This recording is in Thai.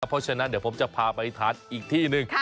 เพราะฉะนั้นเดี๋ยวผมจะพาไปทานอีกที่หนึ่ง